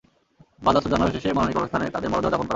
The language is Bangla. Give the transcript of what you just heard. বাদ আসর জানাজা শেষে বনানী কবরস্থানে তাঁদের মরদেহ দাফন করা হবে।